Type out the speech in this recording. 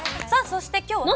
さあそして今日。